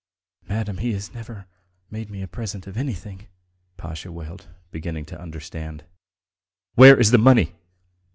"Madam, he has never made me a present of anything!" Pasha wailed, beginning to understand. "Where is the money?